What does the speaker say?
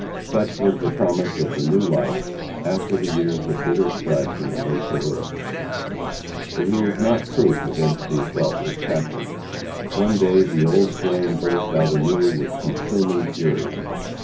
Such was the promise of the new life after the years of bitter strife in the late Guerrilla. But he was not proof against the assaults of passion. One day the old flame burst out anew with consuming fury.